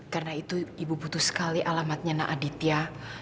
karena itu ibu butuh sekali alamatnya nak aditya